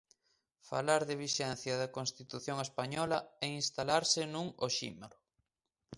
Falar de "vixencia da Constitución Española" é instalarse nun oxímoro.